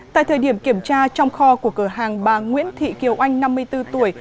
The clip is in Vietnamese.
tại thời điểm kiểm tra trong kho của cửa hàng bà nguyễn thị kiều oanh năm mươi bốn tuổi